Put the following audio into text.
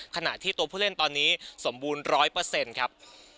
ขณะที่ตัวผู้เล่นตอนนี้สมบูรณ์ร้อยเปอร์เซ็นต์ครับ